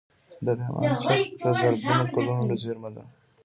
د بامیانو چک د زرګونه کلونو زیرمه ده